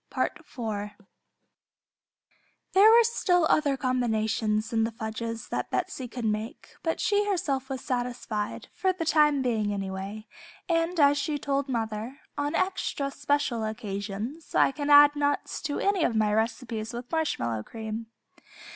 There were still other combinations in the fudges that Betsey could make, but she herself was satisfied, for the time being, anyway, and as she told mother, "On extra special occasions I can add nuts to any of my recipes with marshmallow cream."